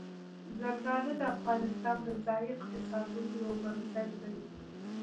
زردالو د افغانستان د ځایي اقتصادونو یو بنسټ دی.